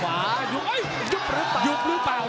กล้าดูซ้ายเจอแข้งซ้าย